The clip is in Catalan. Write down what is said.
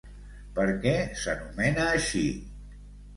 Per què s'anomena així?